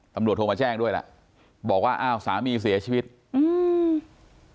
โทรมาแจ้งด้วยล่ะบอกว่าอ้าวสามีเสียชีวิตอืม